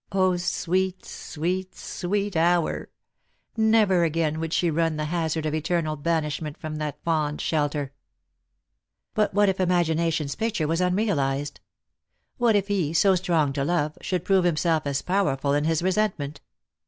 0, sweet, sweet, sweet hour ! never again would she run the hazard ot eternal banishment from that fond shelter. But what if imagination's picture were unrealized ? What if he, so strong to love, should prove himself as powerful in his resentment